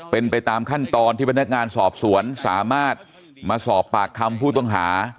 เป็นไปตามขั้นตอนที่พนักงานสอบสวนสามารถมาสอบปากคำผู้ต้องหา